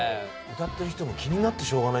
歌ってる人も気になってしょうがないんじゃ。